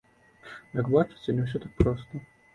Як бачыце, не ўсё так проста.